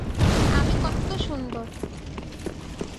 আমি কত্ত সুন্দর!